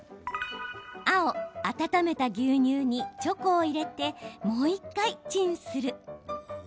青・温めた牛乳に、チョコを入れてもう一回チンする。